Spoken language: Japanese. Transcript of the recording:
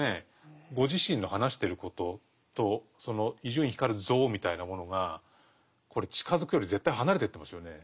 ご自身の話してることとその「伊集院光像」みたいなものがこれ近づくより絶対離れてってますよね。